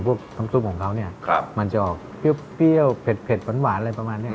พวกน้ำซุปของเขาเนี่ยมันจะออกเปรี้ยวเผ็ดหวานอะไรประมาณนี้